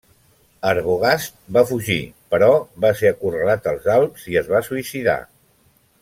Arbogast va fugir, però va ser acorralat als Alps i es va suïcidar.